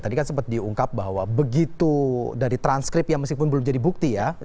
tadi kan sempat diungkap bahwa begitu dari transkrip ya meskipun belum jadi bukti ya